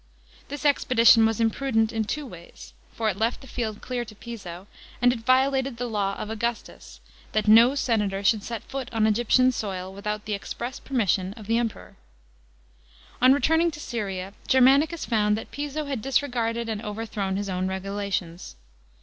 This expedition was imprudent in two ways ; for it left the field clear to Piso, and it violated the law of 10A4K DEATH OF GERMANICUS. 179 Augustus, that no senator should set foot on Egyptian soil, without the express permission of the Emperor. On returning to Syria, Germanicus found that Piso had disregarded and overthrown his own regulations.